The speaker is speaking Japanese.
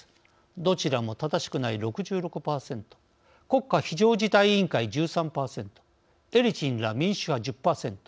どちらも正しくない、６６％国家非常事態委員会、１３％エリツィンら民主派、１０％